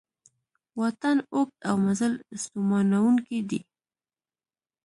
واټن اوږد او مزل ستومانوونکی دی